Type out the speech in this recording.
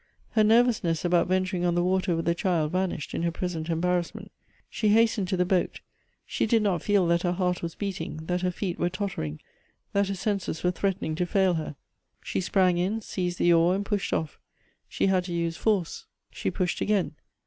Her nervousness about venturing on the water with the child vanished in her present embarrassment. She hastened to the boat ; she did not feel that her heart was beating : that her feet were tottering ; that her senses were threat ening to fail her. She sprang in, seized the oar, and pushed off. She had to use force ; she pushed again.